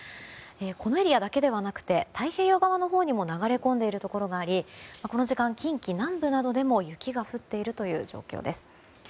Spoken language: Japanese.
このエリアだけではなくて太平洋側のほうにも流れ込んでいるところがありこの時間、近畿南部などでも雪が降っている状況です。